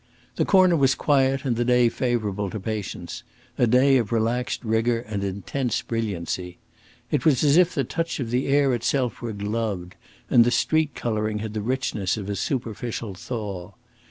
The corner was quiet and the day favourable to patience a day of relaxed rigour and intense brilliancy. It was as if the touch of the air itself were gloved, and the street colouring had the richness of a superficial thaw.